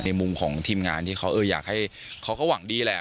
มุมของทีมงานที่เขาอยากให้เขาก็หวังดีแหละ